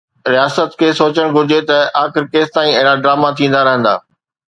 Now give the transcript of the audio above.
رياست کي سوچڻ گهرجي ته آخر ڪيستائين اهڙا ڊراما ٿيندا رهندا